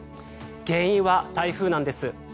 原因は台風なんです。